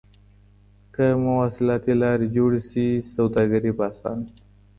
که مواصلاتي لاري جوړي سي سوداګري به اسانه سي.